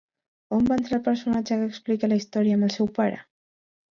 On va entrar el personatge que explica la història amb el seu pare?